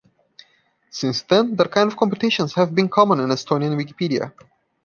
Since then that kind of competitions have been common in Estonian Wikipedia.